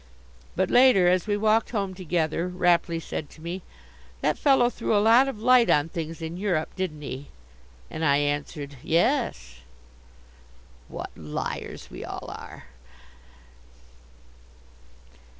But later, as we walked home together, Rapley said to me: "That fellow threw a lot of light on things in Europe, didn't he?" And I answered: "Yes." What liars we all are!